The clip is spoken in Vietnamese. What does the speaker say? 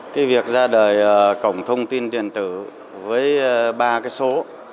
cái việc ra đời cổng thông tin tiền tử với ba cái số một trăm một mươi một